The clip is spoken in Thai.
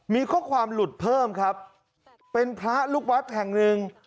มีข้อความหลุดเพิ่มครับเป็นพระลูกวัดแห่งหนึ่ง